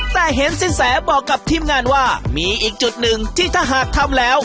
แต่เห็นสินแสบอกกับทีมงานว่ามีอีกจุดหนึ่งที่ถ้าหากทำแล้ว